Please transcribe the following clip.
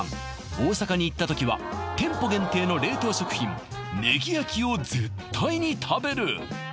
大阪に行った時は店舗限定の冷凍食品ねぎ焼きを絶対に食べる！